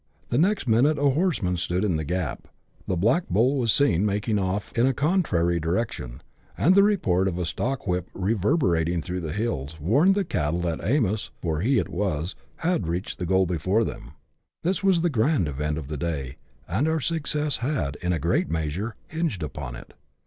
The next minute a horseman stood in the gap ; the black bull was seen making off in a contrary direction, and the report of a stockwhip, reverberating through the hills, warned the cattle that " Amos " (for he it was) had reached the goal before them. This was the grand event of the day, and our success had, in a great measure, hinged upon it.